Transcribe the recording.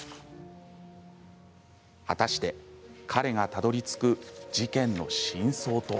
果たして、彼がたどりつく事件の真相とは。